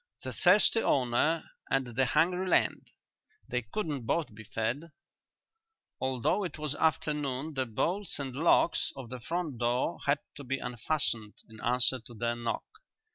"The thirsty owner and the hungry land: they couldn't both be fed." Although it was afternoon the bolts and locks of the front door had to be unfastened in answer to their knock.